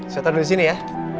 saya taruh di sini ya